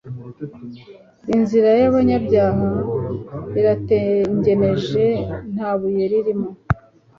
inzira y'abanyabyaha iratengeneje, nta buye ririmo